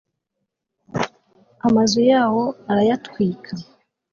amazu yawo arayatwika